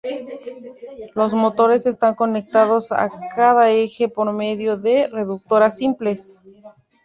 Los motores están conectados a cada eje por medio de reductoras simples.